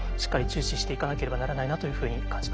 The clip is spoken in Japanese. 注視していかなければならないなというふうに感じました。